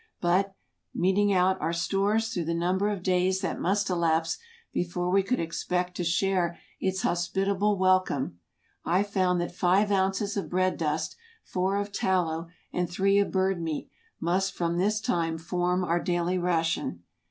But, meting out our stores through the number of days that must elapse before we could expect to share its hospitable welcome, I found that five ounces of bread dust, four of tallow, and three of bird meat must from this time form our daily ration.